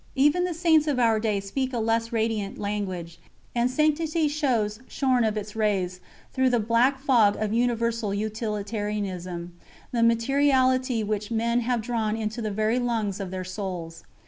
Even the Saints of our day speak a less radiant language: and sanctity shows 'shorn of its rays' through the black fog of universal utilitarianism, the materiality which men have drawn into the very lungs of their souls."